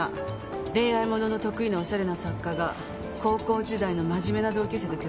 恋愛ものの得意なおしゃれな作家が高校時代のまじめな同級生と結婚する。